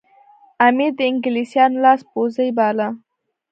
امیر د انګلیسیانو لاس پوڅی باله.